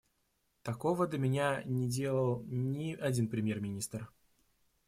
Такого до меня не делал ни один премьер-министр.